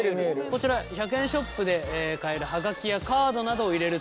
こちら１００円ショップで買える葉書やカードなどを入れる透明の袋。